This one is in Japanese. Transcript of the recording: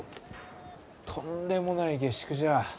とんでもない下宿じゃ。